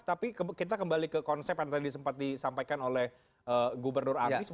tapi kita kembali ke konsep yang tadi sempat disampaikan oleh gubernur anies